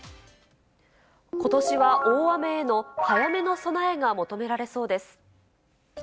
ことしは大雨への早めの備えが求められそうです。